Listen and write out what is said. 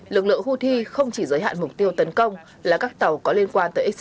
lực lượng houthi không chỉ giới hạn mục tiêu tấn công